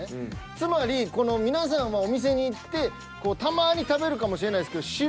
つまりこの皆さんはお店に行ってたまに食べるかもしれないですけど白